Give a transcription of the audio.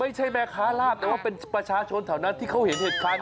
ไม่ใช่แม่ค้าลาบแต่ว่าเป็นประชาชนแถวนั้นที่เขาเห็นเหตุการณ์